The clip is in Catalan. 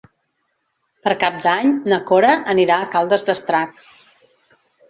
Per Cap d'Any na Cora anirà a Caldes d'Estrac.